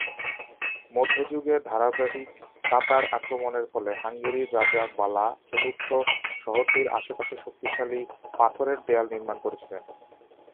মধ্যযুগে ধারাবাহিক তাতার আক্রমণের ফলে হাঙ্গেরির রাজা বালা চতুর্থ শহরটির আশেপাশে শক্তিশালী পাথরের দেয়াল নির্মাণ করেছিলেন।